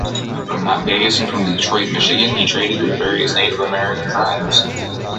From that base and from Detroit, Michigan, he traded with various Native American tribes.